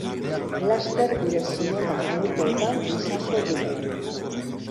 Laster, gure zinema-aretoetan izango dugu.